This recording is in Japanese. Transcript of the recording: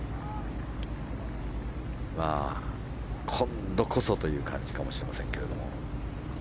今度こそという感じかもしれませんけど。